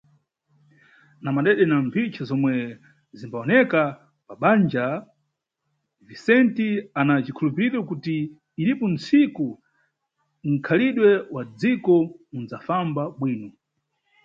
Na madede na mphicha zomwe zimbawoneka pa bandja, Vicente ana cikhulupiriro kuti iripo ntsiku nkhalidwe wa dziko unʼdzafamba bwino.